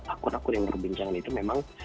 aku takut yang perbincangan itu memang